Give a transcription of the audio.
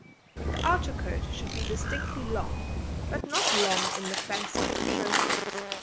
The outer coat should be distinctly long, but not long in the 'fancy' or show sense.